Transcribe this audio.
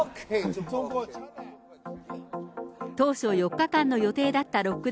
当初４日間の予定だった